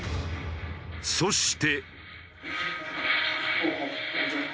そして。